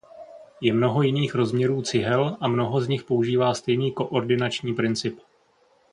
Je mnoho jiných rozměrů cihel a mnoho z nich používá stejný koordinační princip.